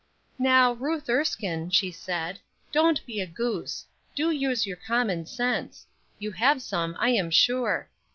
"Now, Ruth Erskine," she said, "don't be a goose. Do use your common sense; you have some, I am sure.